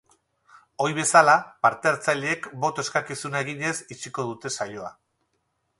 Ohi bezala, parte hartzaileek boto eskakizuna eginez itxiko dute saioa.